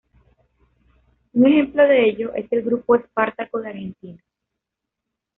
Un ejemplo de ello, es el Grupo Espartaco de Argentina.